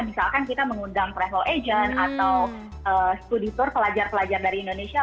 misalkan kita mengundang travel agent atau studi tour pelajar pelajar dari indonesia